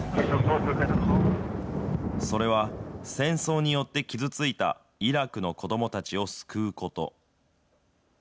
それは、戦争によって傷ついたイラクの子どもたちを救うこと。